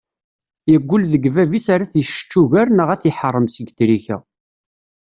Yeggul deg bab-is ar ad t-issečč ugar neɣ ad t-iḥeṛṛem seg trika.